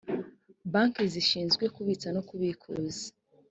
banki zishinzwe kubitsa no kubikuza.